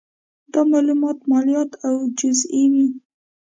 دا مالونه مالیات او جزیې وې